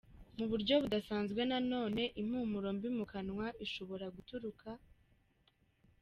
Mu buryo budasanzwe nanone impumuro mbi mu kanwa ishobora guturuka:.